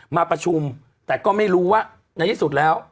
มาประชุมแต่ก็ไม่รู้ว่าในที่สุดแล้ว